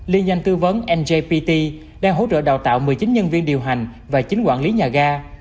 liên doanh tư vấn njpt đang hỗ trợ đào tạo một mươi chín nhân viên điều hành và chín quản lý nhà ga